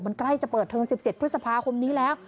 มันใกล้จะเปิดเทอม๑๗พฤษภาคมนี้แล้ว